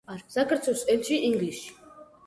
საქართველოს ელჩი ინგლისში.